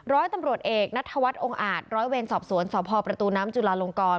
ร้อยตำรวจเอกนัทธวัฒนองค์อาจร้อยเวรสอบสวนสพประตูน้ำจุลาลงกร